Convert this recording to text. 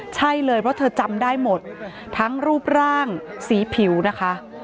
ใช่เลยเพราะเธอจำได้หมดทั้งรูปร่างสีผิวนะคะ